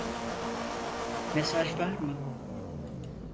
Mesaj var mı?